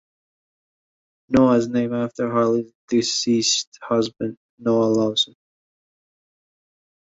Noah is named after Hayley’s deceased husband, Noah Lawson.